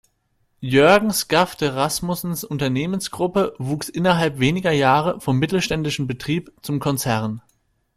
Jørgen Skafte Rasmussens Unternehmensgruppe wuchs innerhalb weniger Jahre vom mittelständischen Betrieb zum Konzern.